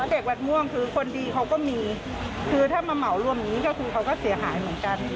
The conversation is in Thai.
เด็กวัดม่วงคือคนดีเขาก็มีคือถ้ามาเหมารวมอย่างนี้ก็คือเขาก็เสียหายเหมือนกัน